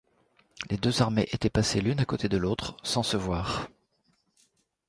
Les deux armées étaient passées l'une à côté de l'autre sans se voir.